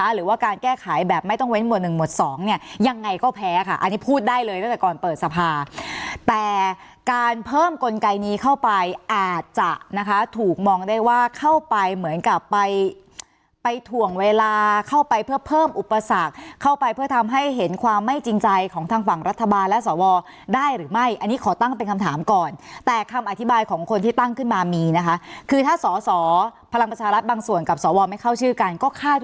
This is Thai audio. หรือว่าการแก้ไขแบบไม่ต้องเว้นหมวดหนึ่งหมวดสองเนี่ยยังไงก็แพ้ค่ะอันนี้พูดได้เลยตั้งแต่ก่อนเปิดสภาแต่การเพิ่มกลไกนี้เข้าไปแอดจะนะคะถูกมองได้ว่าเข้าไปเหมือนกับไปไปถ่วงเวลาเข้าไปเพื่อเพิ่มอุปสรรคเข้าไปเพื่อทำให้เห็นความไม่จริงใจของทางฝั่งรัฐบาลและสวได้หรือไม่อันนี้ขอตั้งเป็นคำถามก่อน